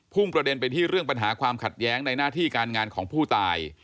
่งประเด็นไปที่เรื่องปัญหาความขัดแย้งในหน้าที่การงานของผู้ตาย